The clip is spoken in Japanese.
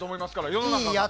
世の中が。